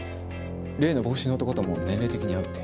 例の帽子の男とも年齢的に合うって。